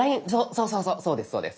そうそうそうですそうです。